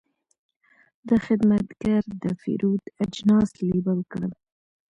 دا خدمتګر د پیرود اجناس لیبل کړل.